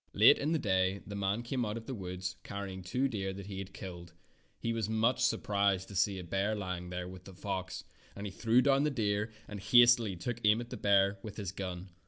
Late in the day the man came out of the woods carrying two deer that he had killed. He was much surprised to see a bear lying there with the fox, and he threw down the deer and hastily took aim at the bear with his gun.